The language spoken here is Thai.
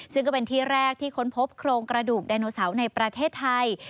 ซึ่งก็เป็นที่แรกที่ค้นพบโครงกระดูกไดโนเสาร์ในประเทศไทย